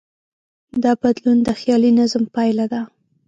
دا بدلون د خیالي نظم پایله ده.